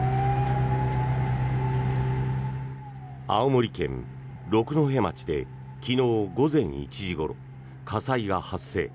青森県六戸町で昨日午前１時ごろ火災が発生。